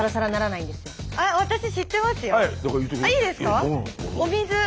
いいですか？